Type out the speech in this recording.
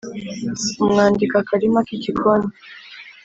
umwandiko akarima ki gikoni